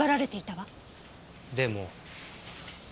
でも。